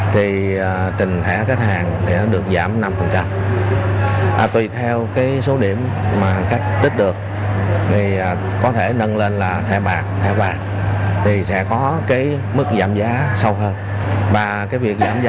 thì trình thẻ khách hàng được tích năm mươi điểm đầu tiên